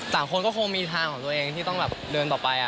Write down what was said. สามารถคนก็มีทางของตัวเองที่ต้องเริ่มต่อไป